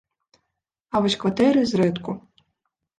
А вось кватэры зрэдку.